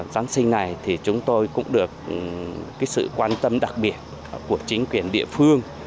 giáng sinh này thì chúng tôi cũng được sự quan tâm đặc biệt của chính quyền địa phương